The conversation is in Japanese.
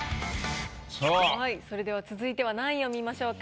はいそれでは続いては何位を見ましょうか？